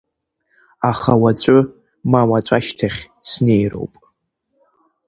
Аха уаҵәы, ма уаҵәашьҭахь снеироуп.